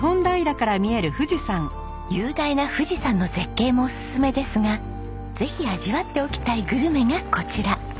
雄大な富士山の絶景もおすすめですがぜひ味わっておきたいグルメがこちら。